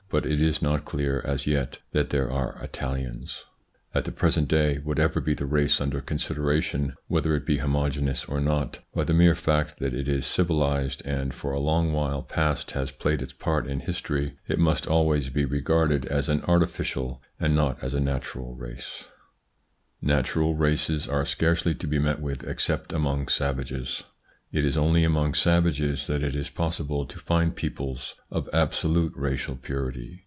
but it is not clear as yet that there are Italians. At the present day, whatever be the race under consideration, whether it be homogeneous or not, by the mere fact that it is civilised and for a long while past has played its part in history, it must always be regarded as an artificial and not as a natural race. 16 THE PSYCHOLOGY OF PEOPLES Natural races are scarcely to be met with except among savages. It is only among savages that it is possible to find peoples of absolute racial purity.